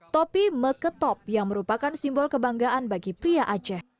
topi meketop yang merupakan simbol kebanggaan bagi pria aceh